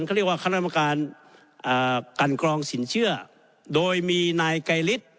เขาเรียกว่าคณะกรรมการกันกรองสินเชื่อโดยมีนายไกรฤทธิ์